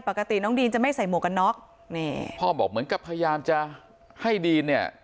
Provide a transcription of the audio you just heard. ปกติน้องดีนจะไม่ใส่หมวกกันน็อกนี่พ่อบอกเหมือนกับพยายามจะให้ดีนเนี่ย